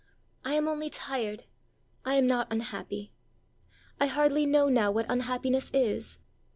I am only tired; I am not unhappy. I hardly know now what unhappiness is!